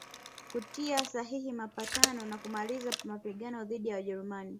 kutia sahihi mapatano ya kumaliza mapigano dhidi ya Wajerumani